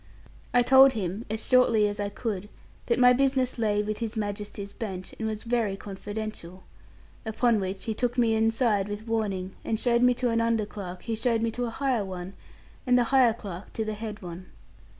I told him, as shortly as I could, that my business lay with His Majesty's bench, and was very confidential; upon which he took me inside with warning, and showed me to an under clerk, who showed me to a higher one, and the higher clerk to the head one.